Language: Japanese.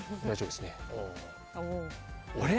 あれ？